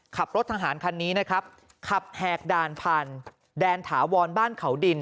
ขับรถทหารคันนี้นะครับขับแหกด่านผ่านแดนถาวรบ้านเขาดิน